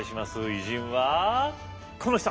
偉人はこの人。